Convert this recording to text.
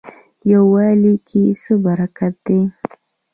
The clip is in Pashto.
یووالي کې څه برکت دی؟